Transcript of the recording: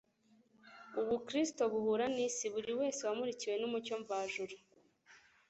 UbuKristo buhura n’isi. Buri wese wamurikiwe n’umucyo mvajuru